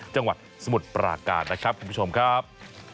จังหวัดสมุทรปราการนะครับคุณผู้ชมครับ